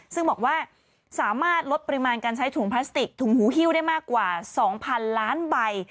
ซึ่งบอกว่าสามารถลดปริมาณการใช้ถุงพลาสติกถุงหูฮิ้วได้มากกว่า๒๐๐๐ล้านใบ